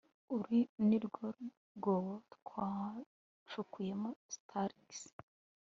Uru ni rwo rwobo twacukuyemo Starks